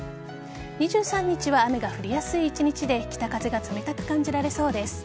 ２３日は雨が降りやすい一日で北風が冷たく感じられそうです。